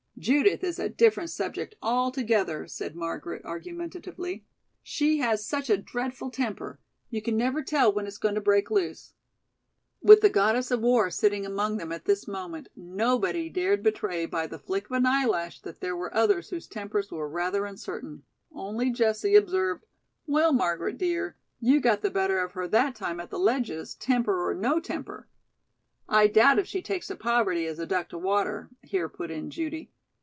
"Judith is a different subject altogether," said Margaret, argumentatively. "She has such a dreadful temper. You never can tell when it's going to break loose." With the Goddess of War sitting among them at this moment, nobody dared betray by the flick of an eyelash that there were others whose tempers were rather uncertain. Only Jessie observed: "Well, Margaret, dear, you got the better of her that time at the Ledges, temper or no temper." "I doubt if she takes to poverty as a duck to water," here put in Judy.